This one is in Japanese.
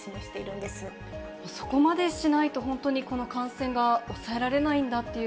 そこまでしないと、本当にこの感染が抑えられないんだという